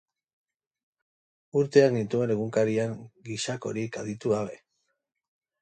Urteak nituen egunkarian gisakorik aditu gabe.